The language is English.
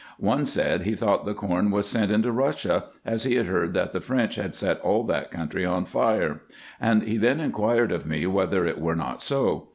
One said, he thought the corn was sent into Russia, as he heard that the French had set all that country on fire ; and he then inquired of me, whether it were not so.